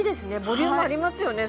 ボリュームありますよね